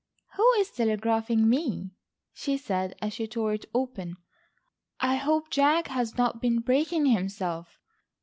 "Who is telegraphing me," she said, as she tore it open. "I hope Jack has not been breaking himself."